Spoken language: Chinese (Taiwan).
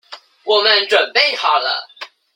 我們準備好了